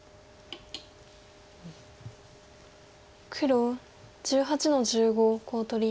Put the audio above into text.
黒１８の十五コウ取り。